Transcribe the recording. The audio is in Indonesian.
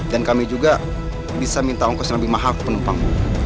dan kami juga bisa minta ongkos yang lebih mahal ke penumpang bu